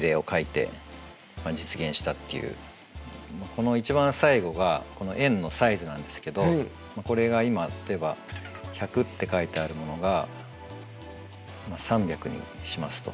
この一番最後がこの円のサイズなんですけどこれが今例えば「１００」って書いてあるものが３００にしますと。